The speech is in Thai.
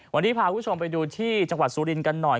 วันนี้พาคุณผู้ชมไปดูที่จังหวัดสุรินทร์กันหน่อย